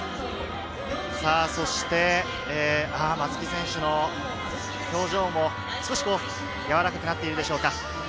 そして松木選手の表情も少しやわらかくなっているでしょうか。